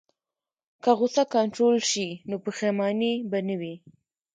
که غوسه کنټرول شي، نو پښیماني به نه وي.